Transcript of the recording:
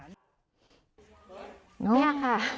นี่ค่ะ